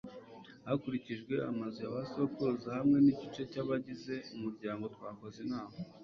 hakurikijwe amazu ya ba sekuruza hamwe n’igice cy abagize umuryango twakoze inama